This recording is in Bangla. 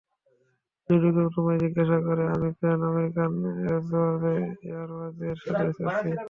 যদি কেউ তোমায় জিজ্ঞাসা করে, আমি প্যান আমেরিকান এয়ারওয়েজের সাথে আছি।